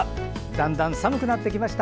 だんだん寒くなってきました。